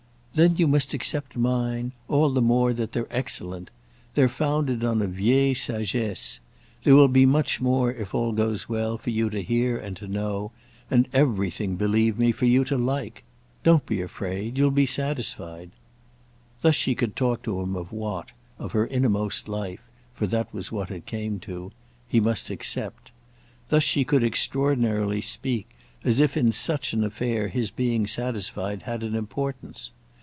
"Then you must accept mine; all the more that they're excellent. They're founded on a vieille sagesse. There will be much more, if all goes well, for you to hear and to know, and everything, believe me, for you to like. Don't be afraid; you'll be satisfied." Thus she could talk to him of what, of her innermost life—for that was what it came to—he must "accept"; thus she could extraordinarily speak as if in such an affair his being satisfied had an importance.